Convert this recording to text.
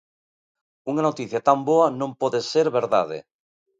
Unha noticia tan boa non pode ser verdade.